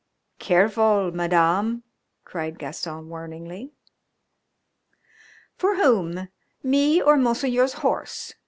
"Careful, Madame," cried Gaston warningly. "For whom me or Monseigneur's horse?"